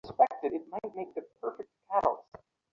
Me গেজের agent আমায় সব ভুল নির্দেশ দিয়েছিলেন।